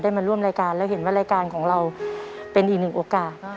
มาร่วมรายการแล้วเห็นว่ารายการของเราเป็นอีกหนึ่งโอกาส